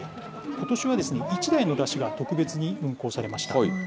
ことしは１台の山車が特別に運行されました。